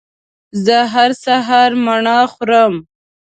زه هر سهار مڼه خورم